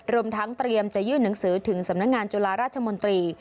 รวมทั้งเตรียมจะยื่นหนังสือถึงสำนักงานจุฬาราชมนตรี